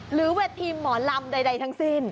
หรือเวทีหมอลำใดทั้งสิ้น